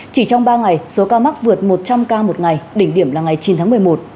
chỉ trong ba ngày số ca mắc vượt một trăm linh ca một ngày đỉnh điểm là ngày chín tháng một mươi một